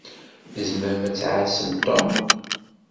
Tzemṛem ad tɛassem Tom?